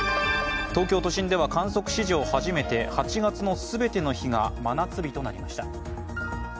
東京都心では観測史上初めて８月の全ての日が真夏日となりました。